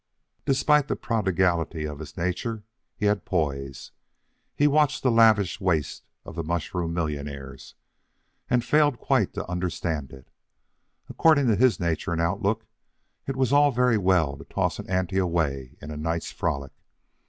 Despite the prodigality of his nature, he had poise. He watched the lavish waste of the mushroom millionaires, and failed quite to understand it. According to his nature and outlook, it was all very well to toss an ante away in a night's frolic.